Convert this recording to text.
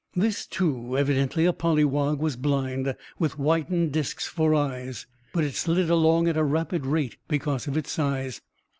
This, too, evidently a polywog, was blind, with whitened discs for eyes, but it slid along at a rapid rate because of its size.